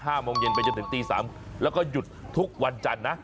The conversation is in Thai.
โมงเย็นไปจนถึงตีสามแล้วก็หยุดทุกวันจันทร์นะ